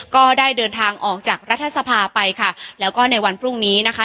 ก็ได้เดินทางออกจากรัฐสภาไปค่ะแล้วก็ในวันพรุ่งนี้นะคะ